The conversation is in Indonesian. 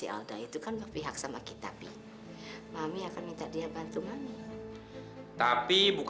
ada apa pak